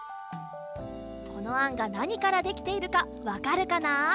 このあんがなにからできているかわかるかな？